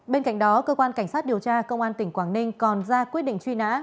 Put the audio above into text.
bên cạnh đó cơ quan cảnh sát điều tra công an tỉnh quảng ninh còn ra quyết định truy nã